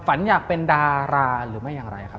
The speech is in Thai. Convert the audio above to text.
ฝันอยากเป็นดาราหรือไม่อย่างไรครับ